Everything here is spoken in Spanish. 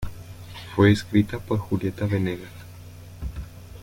Fue escrita por Julieta Venegas.